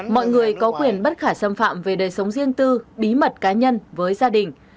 mọi người có quyền bất khả xâm phạm về đời sống riêng tư bí mật cá nhân với gia đình